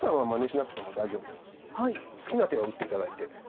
好きな手を打って頂いて。